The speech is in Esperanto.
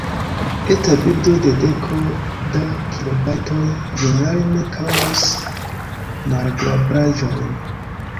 Eta bildo de deko da kilobajtoj ĝenerale ne kaŭzos malagrablaĵojn.